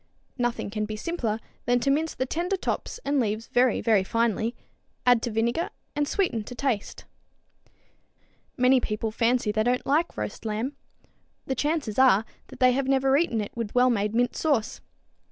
Nothing can be simpler than to mince the tender tops and leaves very, very finely, add to vinegar and sweeten to taste. Many people fancy they don't like roast lamb. The chances are that they have never eaten it with wellmade mint sauce.